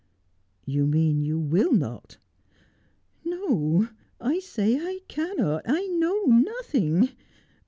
' You mean you will not.' ' No, I say 1 cannot — 1 know nothing.